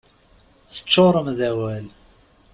Teččurem d awal.